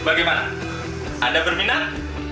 bagaimana anda berminat